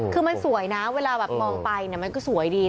คือมันสวยนะเวลาแบบมองไปมันก็สวยดี